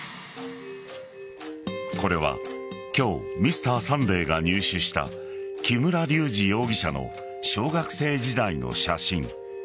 これは今日「Ｍｒ．サンデー」が入手した木村隆二容疑者の小学生時代の写真。